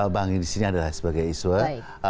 bank indonesia ini adalah sebagai iswa